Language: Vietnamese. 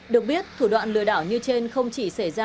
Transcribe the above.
được biết thủ đoạn lừa đảo như trên không chỉ xảy ra trên đường